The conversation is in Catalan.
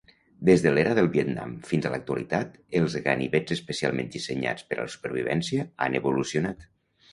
Des de l'era del Vietnam fins a l'actualitat, els ganivets especialment dissenyats per a la supervivència han evolucionat.